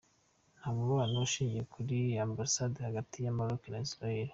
Nta mubano ushingiye kuri ambasade hagati ya Maroke na Israheli.